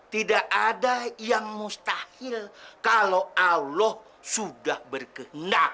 tidak ada yang mustahil kalau allah sudah berkehendak